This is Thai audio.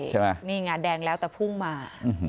ใช่นี่แน่นแล้วแต่พุ่งมา